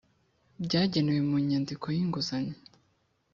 byagenwe mu nyandiko y inguzanyo